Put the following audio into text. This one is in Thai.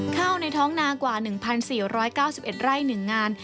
ข้าวในท้องนากว่า๑๔๙๑ไร่หนึ่งงาน